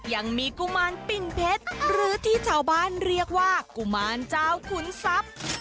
กุมารปิ่นเพชรหรือที่ชาวบ้านเรียกว่ากุมารเจ้าขุนทรัพย์